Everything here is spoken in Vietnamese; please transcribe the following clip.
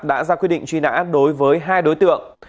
đã ra quyết định truy nã đối với hai đối tượng